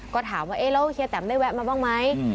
ก็ถามว่าเอ๊ะแล้วเฮียแตมได้แวะมาบ้างไหม